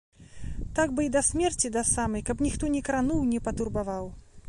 Так бы й да смерці да самай, каб ніхто не крануў, не патурбаваў.